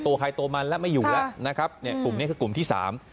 ใครตัวมันแล้วไม่อยู่แล้วนะครับเนี่ยกลุ่มนี้คือกลุ่มที่สาม